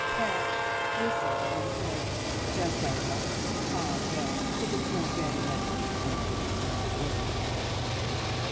Pat whistled, and said, "Just our luck! Ah, well, if it's no better, let's be thankful it's no worse!"